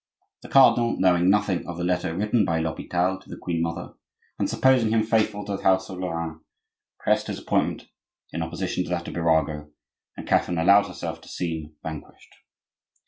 The cardinal, knowing nothing of the letter written by l'Hopital to the queen mother, and supposing him faithful to the house of Lorraine, pressed his appointment in opposition to that of Birago, and Catherine allowed herself to seem vanquished.